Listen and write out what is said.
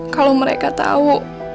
kalau mereka tahu